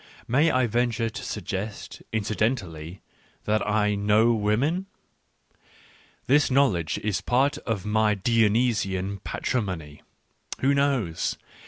. *^iSTay I venture to suggest, incidentally, that I know women? This knowledge is part of my Dionysian patrimony. Who knows